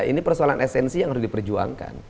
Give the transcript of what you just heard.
ini persoalan esensi yang harus diperjuangkan